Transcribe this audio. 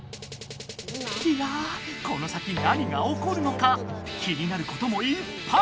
いやこの先何がおこるのか気になることもいっぱい！